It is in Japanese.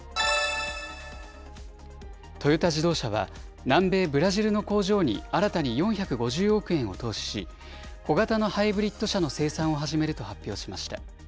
トヨタ自動車は、南米ブラジルの工場に新たに４５０億円を投資し、小型のハイブリッド車の生産を始めると発表しました。